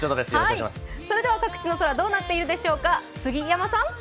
それでは各地の空、どうなっているでしょうか、杉山さん。